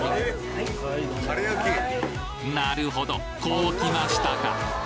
なるほどこうきましたか